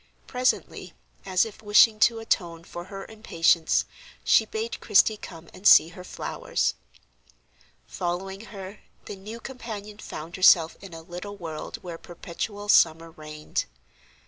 Presently, as if wishing to atone for her impatience, she bade Christie come and see her flowers. Following her, the new companion found herself in a little world where perpetual summer reigned.